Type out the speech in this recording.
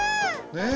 ねえ。